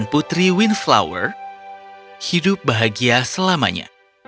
putri windflower hidup bahagia selamanya